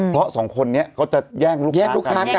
เพราะสองคนนี้เขาจะแย่งลูกค้าแย่งลูกค้ากัน